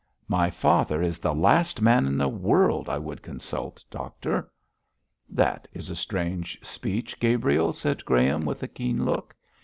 'My father is the last man in the world I would consult, doctor.' 'That is a strange speech, Gabriel,' said Graham, with a keen look.